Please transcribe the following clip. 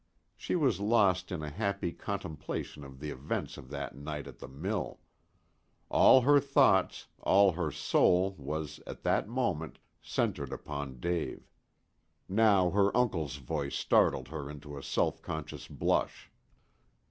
She was lost in a happy contemplation of the events of that night at the mill. All her thoughts, all her soul was, at that moment, centred upon Dave. Now her uncle's voice startled her into a self conscious blush.